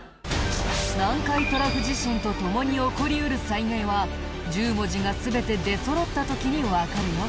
南海トラフ地震と共に起こりうる災害は１０文字が全て出そろった時にわかるよ。